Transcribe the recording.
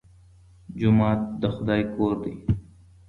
جومات د خدای کور دی.